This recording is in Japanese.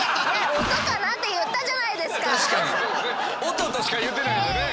「音」としか言うてないよね。